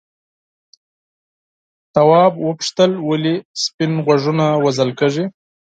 تواب وپوښتل ولې سپین غوږونه وژل کیږي.